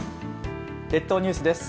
列島ニュースです。